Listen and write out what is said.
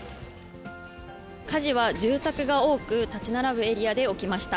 火事は、住宅が多く建ち並ぶエリアで起きました。